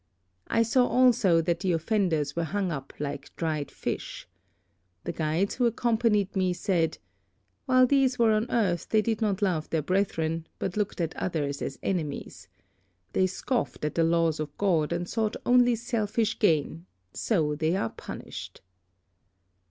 I saw also that the offenders were hung up like dried fish. The guides who accompanied me, said, 'While these were on earth they did not love their brethren, but looked at others as enemies. They scoffed at the laws of God and sought only selfish gain, so they are punished.'